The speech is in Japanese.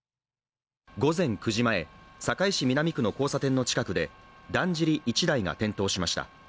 午前９時前、堺市南区の交差点の近くでだんじり１台が転倒しました。